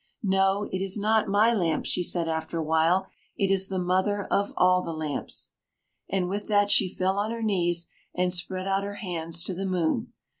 "No, it is not my lamp," she said, after a while; "it is the mother of all the lamps." And with that she fell on her knees, and spread out her hands to the moon.